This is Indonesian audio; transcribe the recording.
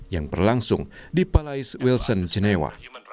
yang berlangsung di palaice wilson genewa